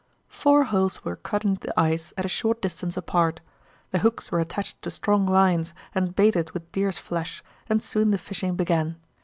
Four holes were cut in the ice at a short distance apart. The hooks were attached to strong lines and baited with deer's flesh, and soon the fishing began.